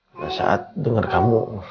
ada saat denger kamu